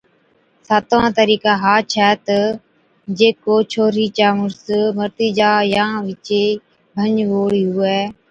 ساتوان طريقا ھا ڇَي تہ جي ڪو ڇوھِرِي چا مُڙس مرتِي جا يان وِچِي ڀنج ھُووڙِي ھُوو،